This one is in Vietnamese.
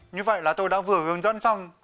như vậy là tôi đã vừa hướng dẫn xong